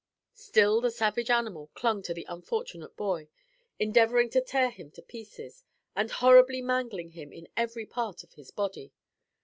Still the savage animal clung to the unfortunate boy, endeavoring to tear him to pieces, and horribly mangling him in every part of his body.